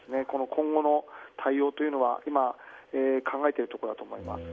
今後の対応というのは今、考えているところだと思います。